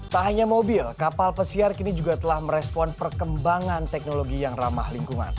tak hanya mobil kapal pesiar kini juga telah merespon perkembangan teknologi yang ramah lingkungan